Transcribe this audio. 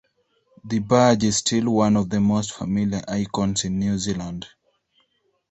The badge is still one of the most familiar icons in New Zealand.